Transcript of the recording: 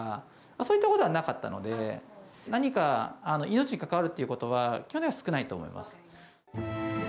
そういったことはなかったので、何か命に関わるってことは、基本的には少ないと思います。